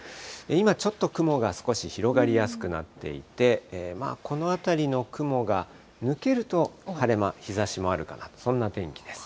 今、ちょっと雲が少し広がりやすくなっていて、この辺りの雲が抜けると、晴れ間、日ざしもあるかな、そんな天気です。